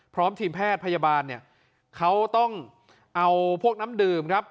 พร้อมทีมแพทย์พยาบาลเนี่ยเขาต้องเอาพวกน้ำดื่มครับ